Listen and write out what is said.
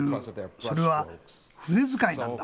それは筆遣いなんだ。